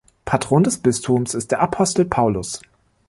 Patron des Bistums ist der Apostel Paulus.